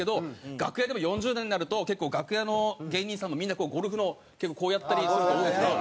楽屋でも４０代になると結構楽屋の芸人さんもみんなゴルフのこうやったりする人多いんですね。